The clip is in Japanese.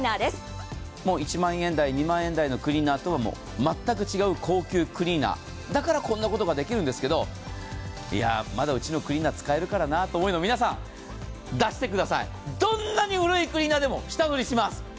１万円台２万円台のクリーナーとは全く違う高級クリーナーだから、こんなことができるんですけどまだうちのクリーリー使えるからなとお思いの皆さん、どんなに古いクリーナーでも下取りします。